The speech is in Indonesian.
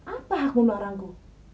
apa hakmu melarangku